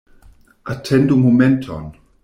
Atendu momenton.